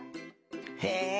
へえ！